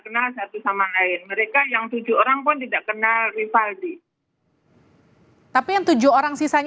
kenal satu sama lain mereka yang tujuh orang pun tidak kenal rivaldi tapi yang tujuh orang sisanya